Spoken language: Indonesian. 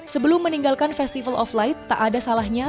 sebelum meninggalkan festival of light tak ada salahnya